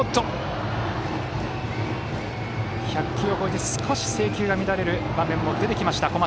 １００球を超えて少し制球が乱れる場面も出てきた小松。